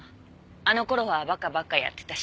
あの頃は馬鹿ばっかやってたし。